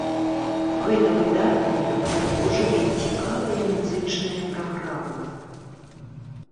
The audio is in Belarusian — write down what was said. Гэта выдатная, прыгожая і цікавая музычная праграма.